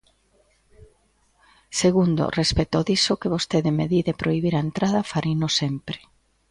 Segundo, respecto diso que vostede me di de prohibir a entrada, fareino sempre.